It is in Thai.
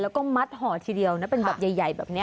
แล้วก็มัดห่อทีเดียวนะเป็นแบบใหญ่แบบนี้